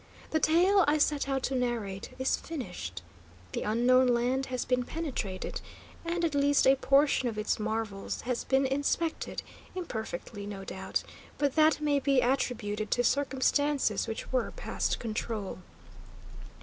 The tale I set out to narrate is finished. The unknown land has been penetrated, and at least a portion of its marvels has been inspected; imperfectly, no doubt, but that may be attributed to circumstances which were past control.